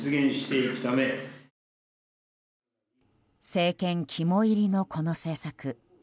政権肝煎りのこの政策。